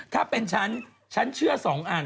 ถ้าเป็นฉันฉันเชื่อสองอัน